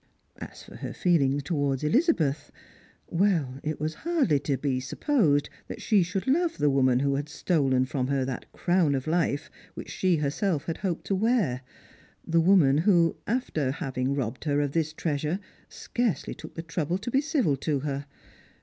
As for her feelings towards EUzabeth — well, it was hardly to be supposed that she should love the woman who had stolen from her that crown of life which she herself had hoped to wear — the woman who, after having robbed her of this treasure, scarcely took the trouble to be civil to her.